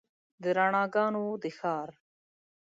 د رڼاګانو د ښار